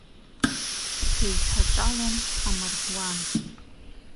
Сеиҭаҿалон амардуан.